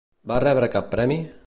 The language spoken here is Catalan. Va rebre cap premi?